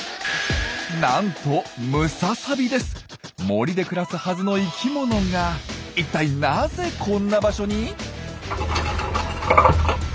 なんと森で暮らすはずの生きものが一体なぜこんな場所に？